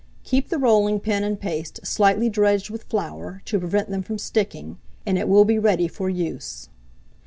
Keep the rolling pin and paste slightly dredged with flour, to prevent them from sticking, and it will be ready for use.